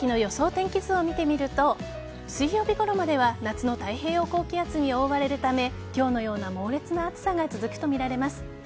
天気図を見てみると水曜日ごろまでは夏の太平洋高気圧に覆われるため今日のような猛烈な暑さが続くとみられます。